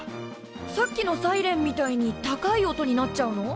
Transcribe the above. さっきのサイレンみたいに高い音になっちゃうの？